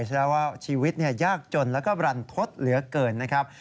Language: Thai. แสดงว่าชีวิตยากจนแล้วก็บรรทศเหลือเกินนะครับ